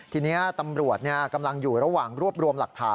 ทีนี้ตำรวจกำลังอยู่ระหว่างรวบรวมหลักฐาน